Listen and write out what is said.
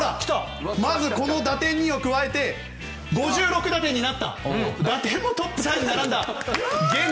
打点２を加えて５６打点になって打点もトップタイに並んだ！